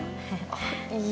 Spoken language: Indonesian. kamar surti yang mana